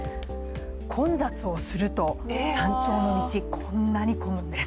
混雑をすると、山頂の道、こんなに混むんです。